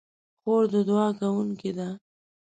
خور د دعا کوونکې ده.